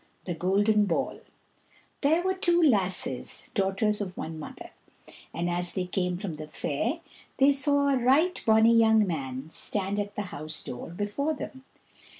The Golden Ball There were two lasses, daughters of one mother, and as they came from the fair, they saw a right bonny young man stand at the house door before them.